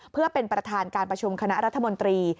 เพื่อเป็นประธานการประชุมคณะรัฐมนตรี